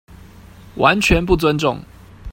完全不尊重